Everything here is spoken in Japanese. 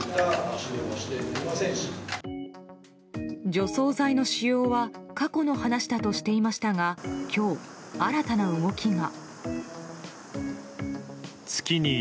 除草剤の使用は過去の話だとしていましたが今日、新たな動きが。